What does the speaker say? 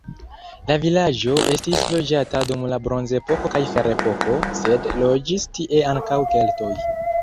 La vilaĝo estis loĝata dum la bronzepoko kaj ferepoko, sed loĝis tie ankaŭ keltoj.